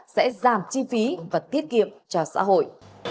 sẽ giảm chi phí và tiết kiệm cho xã hội